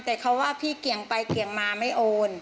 แต่เขาว่าพี่เกี่ยงไปเกี่ยงมาไม่โอน